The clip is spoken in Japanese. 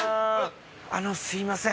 あのすいません